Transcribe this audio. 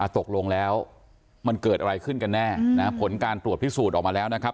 ตกลงแล้วมันเกิดอะไรขึ้นกันแน่ผลการตรวจพิสูจน์ออกมาแล้วนะครับ